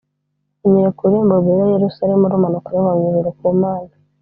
anyereka ururembo rwera Yerusalemu rumanuka ruva mu ijuru ku Mana,